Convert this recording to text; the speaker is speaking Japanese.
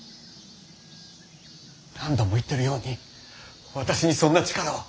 何度も言ってるように私にそんな力は。